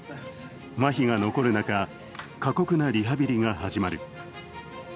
まひが残る中、過酷なリハビリが始まる。